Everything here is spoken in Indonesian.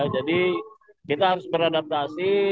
jadi kita harus beradaptasi